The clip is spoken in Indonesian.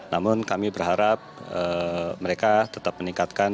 namun kami berharap mereka tetap meningkatkan